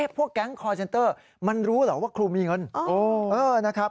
พวกแก๊งคอร์เซ็นเตอร์มันรู้เหรอว่าครูมีเงินนะครับ